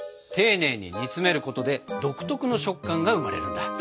丁寧に煮詰めることで独特の食感が生まれるんだ。